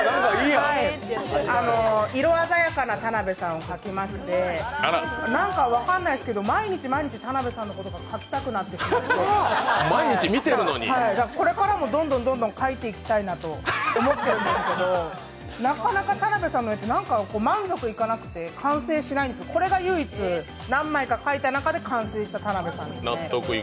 色鮮やかな田辺さんを描きまして分からないですけど、毎日、毎日田辺さんのことが描きたくなってしまってこれからもどんどん描いていきたいなと思ってるんですけど、なかなか田辺さんの絵って満足いかなくて完成しないんですけど、これが唯一何枚か描いた中で完成した田辺さんです。